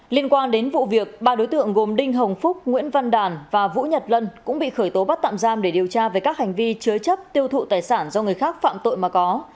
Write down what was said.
liên quan đến vụ việc ba đối tượng gồm đinh hồng phúc nguyễn văn đàn và vũ nhật lân cũng bị khởi tố bắt tạm giam để điều tra về các hành vi chứa chấp tiêu thụ tài sản do người khác phạm tội mà có